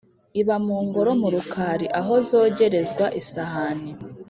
Iba mu ngoro mu Rukari, aho zogerezwa isahani!